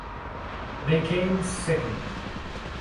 They came second.